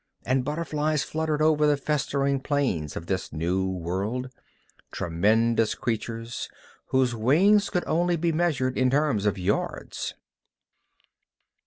And butterflies fluttered over the festering plains of this new world, tremendous creatures whose wings could only be measured in terms of yards.